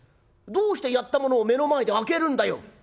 どうしてやったものを目の前で開けるんだよ」。